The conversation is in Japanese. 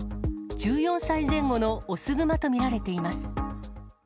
１４歳前後の雄グマと見られています。